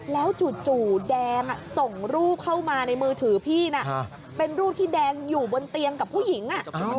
แล้วจู่แดงส่งรูปเข้ามาในมือถือพี่น่ะเป็นรูปที่แดงอยู่บนเตียงกับผู้หญิง